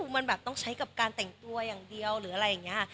มันแบบต้องใช้กับการแต่งตัวอย่างเดียวหรืออะไรอย่างนี้